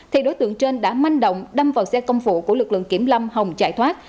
thì đối tượng trên đã manh động đâm vào xe công phụ của lực lượng kiểm lâm hồng chạy thoát